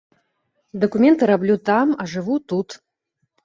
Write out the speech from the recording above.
Дакументы раблю там, а жыву тут.